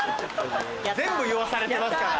全部言わされてますから。